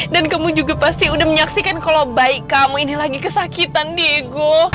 dan kamu juga pasti udah menyaksikan kalau bayi kamu ini lagi kesakitan diego